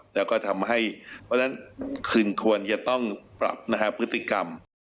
แล้วก็ทำให้เพราะฉะนั้นคุณควรจะต้องปรับนะฮะพฤติกรรม